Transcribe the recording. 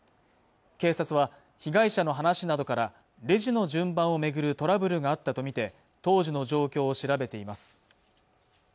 警察は被害者の話などからレジの順番を巡るトラブルがあったとみて当時の状況を調べています